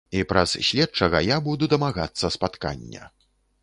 І праз следчага я буду дамагацца спаткання.